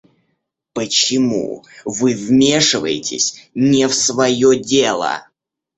Почему вы вмешиваетесь не в своё дело?